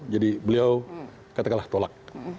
jadi beliau katakanlah tolak